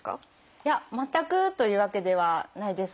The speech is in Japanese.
いや全くというわけではないです。